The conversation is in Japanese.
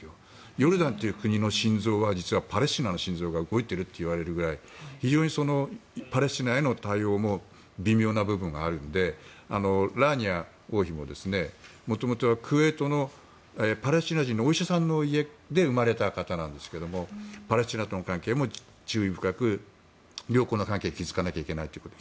ヨルダンという国の心臓はパレスチナの心臓が動いているというぐらい非常にパレスチナへの対応も微妙な部分があるのでラーニア王妃も元々はクウェートのパレスチナ人のお医者さんの家に生まれた方なんですけれどもパレスチナとの関係も注意深く良好な関係を築かなきゃいけないということ。